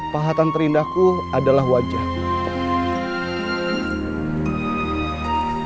pahatan terindahku adalah wajahmu